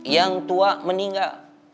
yang tua meninggal